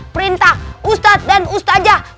perintah ustad dan ustadzah